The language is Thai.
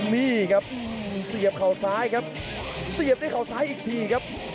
นี่ครับเสียบเขาซ้ายครับเสียบด้วยเขาซ้ายอีกทีครับ